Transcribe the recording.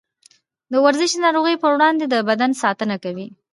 ورزش د نارغيو پر وړاندې د بدن ساتنه کوي.